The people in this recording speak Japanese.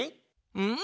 うん！